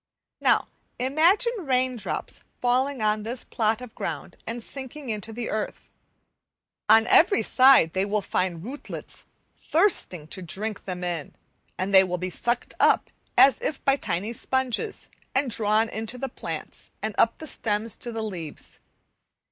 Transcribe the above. Now, imagine rain drops falling on this plot of ground and sinking into the earth. On every side they will find rootlets thirsting to drink them in, and they will be sucked up as if by tiny sponges, and drawn into the plants, and up the stems to the leaves.